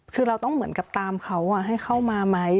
คือเราต้องเหมือนกับตามเขาให้เข้ามาไหม